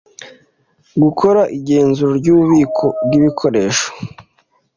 gukora igenzura ry ububiko bw ibikoresho